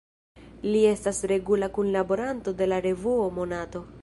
Li estas regula kunlaboranto de la revuo Monato.